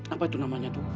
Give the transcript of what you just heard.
apa itu namanya tuh